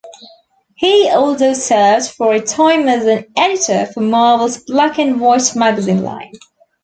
He also served for a time as an editor for Marvel's black-and-white magazine line.